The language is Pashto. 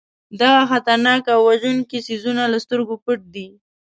دغه خطرناک او وژونکي څیزونه له سترګو پټ دي.